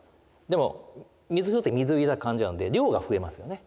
でも水風船水入れた感じなので量が増えますよね。